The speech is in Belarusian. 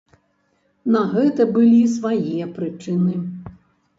На гэта былі свае прычыны.